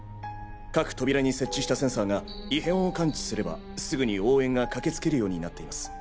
各扉に設置したセンサーが異変を感知すればすぐに応援がかけつけるようになっています。